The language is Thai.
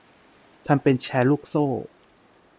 ทำเป็นแชร์ลูกโซ่